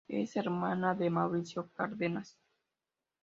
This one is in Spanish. Es hermana de Mauricio Cárdenas.